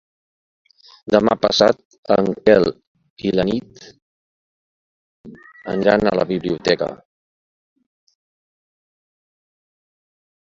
Demà passat en Quel i na Nit aniran a la biblioteca.